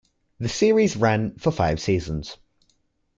The series ran for five seasons.